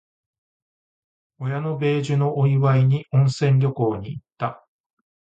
親の米寿のお祝いに、温泉旅行に行った。